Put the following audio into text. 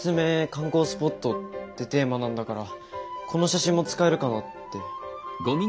観光スポットってテーマなんだからこの写真も使えるかなって。